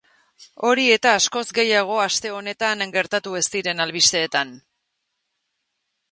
Hori eta askoz gehiago aste honetan gertatu ez diren albisteetan!